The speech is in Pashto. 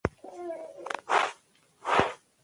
موږ داسې نورو کسانو ته هم اړتیا لرو.